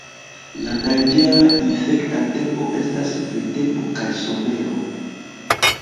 La danĝera infekta tempo estas printempo kaj somero.